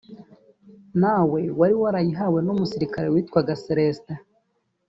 nawe wari warayihawe n’umusirikare witwaga Céléstin